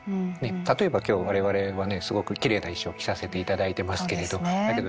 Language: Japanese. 例えば今日我々はねすごくきれいな衣装を着させていただいてますけれどだけど